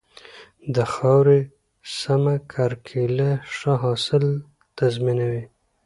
د خاورې سمه کرکيله ښه حاصل تضمینوي.